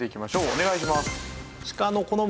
お願いします。